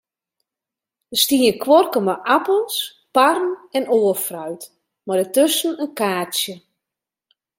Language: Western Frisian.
Der stie in kuorke mei apels, parren en oar fruit, mei dêrtusken in kaartsje.